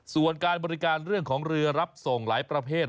ส่วนการบริการเรื่องของเรือรับส่งหลายประเภท